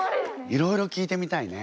いろいろ聞いてみたいね。